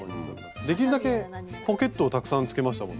できるだけポケットをたくさんつけましたもんね。